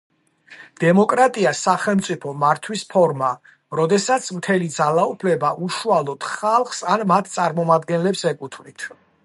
დემოკრატია სახელმწიფო მართვის ფორმა, როდესაც მთელი ძალაუფლება უშუალოდ ხალხს ან მათ წარმომადგენლებს ეკუთვნით.